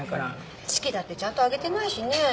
式だってちゃんと挙げてないしねぇ。